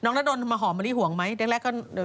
น้องน้าดนมาหอมมานี่ห่วงไหมแรกก็